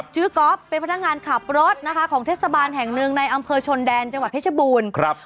ก๊อฟเป็นพนักงานขับรถนะคะของเทศบาลแห่งหนึ่งในอำเภอชนแดนจังหวัดเพชรบูรณ์ครับ